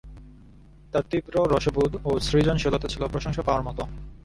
তার তীব্র রসবোধ ও সৃজনশীলতা ছিল প্রশংসা পাওয়ার মতো।